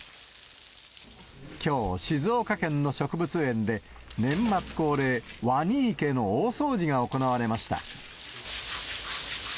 きょう、静岡県の植物園で、年末恒例、ワニ池の大掃除が行われました。